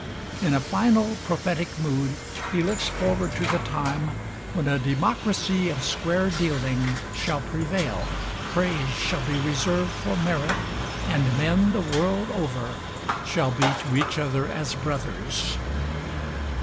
In a final, prophetic mood he looks forward to the time when a democracy of square dealing shall prevail, praise shall be reserved for merit, and men the world over shall be to each other as brothers.